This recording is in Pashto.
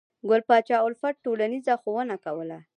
ګل پاچا الفت ټولنیزه ښوونه کوله.